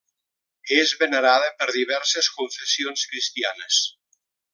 És venerada per diverses confessions cristianes.